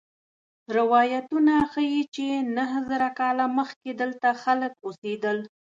روایتونه ښيي چې نهه زره کاله مخکې دلته خلک اوسېدل.